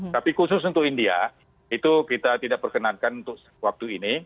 tapi khusus untuk india itu kita tidak perkenankan untuk waktu ini